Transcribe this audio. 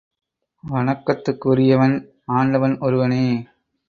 வணக்கத்துக்குரியவன் ஆண்டவன் ஒருவனே.